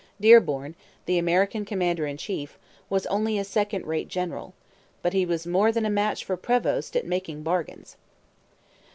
Dearborn, the American commander in chief, was only a second rate general. But he was more than a match for Prevost at making bargains.